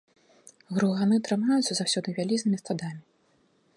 Груганы трымаюцца заўсёды вялізнымі стадамі.